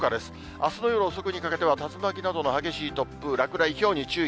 あすの夜遅くにかけては、竜巻などの激しい突風、落雷、ひょうに注意。